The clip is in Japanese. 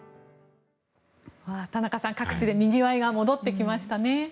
田中さん、各地でにぎわいが戻ってきましたね。